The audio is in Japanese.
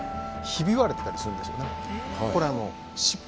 ひび割れてたりするんですよね。